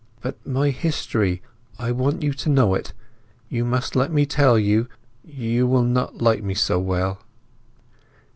"But my history. I want you to know it—you must let me tell you—you will not like me so well!"